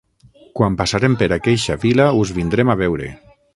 Quan passarem per aqueixa vila us vindrem a veure.